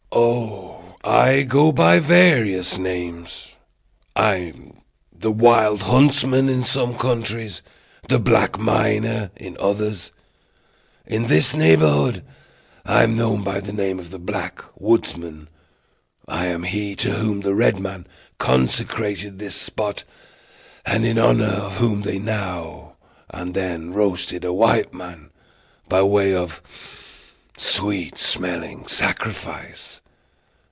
"Oh, I go by various names. I am the wild huntsman in some countries; the black miner in others. In this neighborhood I am known by the name of the black woodsman. I am he to whom the red men consecrated this spot, and in honor of whom they now and then roasted a white man, by way of sweet smelling sacrifice.